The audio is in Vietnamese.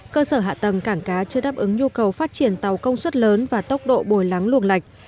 cơ sở hạ tầng cảng cá chưa đáp ứng nhu cầu phát triển tàu công suất lớn và tốc độ bồi lắng luồng lạch